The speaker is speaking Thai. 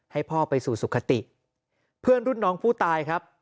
ให้พ่อไปสู่สุขติเพื่อนรุ่นน้องผู้ตายครับ